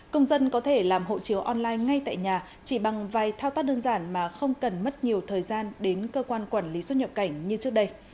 công dân có thể làm hộ chiếu online ngay tại nhà chỉ bằng vài thao tác đơn giản mà không cần mất nhiều thời gian đến cơ quan quản lý xuất nhập cảnh như trước đây